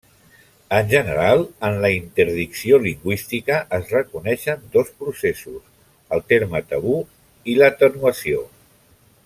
En general, en la interdicció lingüística es reconeixen dos processos: el terme tabú i l'atenuació.